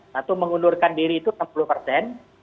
satu mengundurkan diri itu enam puluh persen